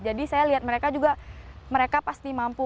jadi saya lihat mereka juga mereka pasti mampu